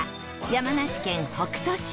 山梨県北杜市